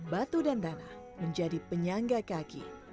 batu dan tanah menjadi penyangga kaki